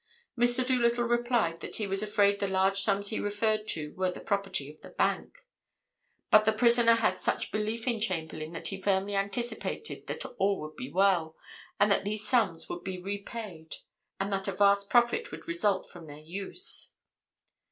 "Mr. Doolittle replied that he was afraid the large sums he referred to were the property of the bank. But the prisoner had such belief in Chamberlayne that he firmly anticipated that all would be well, and that these sums would be repaid, and that a vast profit would result from their use.